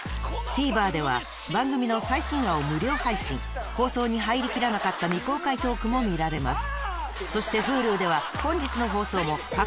ＴＶｅｒでは番組の最新話を無料配信放送に入りきらなかった未公開トークも見られます